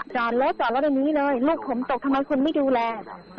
จอดรถจอดรถอันนี้เลยลูกผมตกทำไมคุณไม่ดูแล